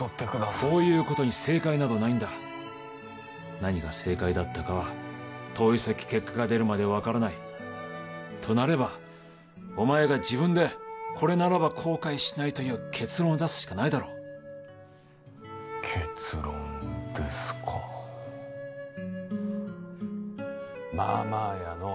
こういうことに正解などないんだ何が正解だったかは遠い先結果が出るまで分からないとなればお前が自分でこれならば後悔しないという結論を出すしかないだろう結論ですかまあまあやのう・